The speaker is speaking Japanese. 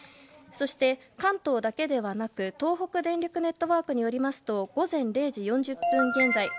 そして関東だけではなく東北電力ネットワークによりますと午前０時４０分現在